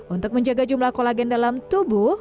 untuk menjaga jumlah kolagen dalam tubuh